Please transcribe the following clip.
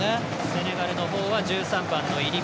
セネガルのほうは１３番の選手。